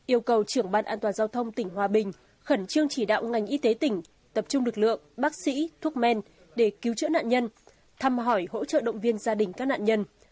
yêu cầu trưởng ban an toàn giao thông tỉnh hòa bình khẩn trương chỉ đạo ngành y tế tỉnh tập trung lực lượng bác sĩ thuốc men để cứu chữa nạn nhân thăm hỏi hỗ trợ động viên gia đình các nạn nhân